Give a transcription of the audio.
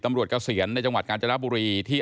ตำรวจเกาะเสียนในจังหวัดการจนะบุรีที่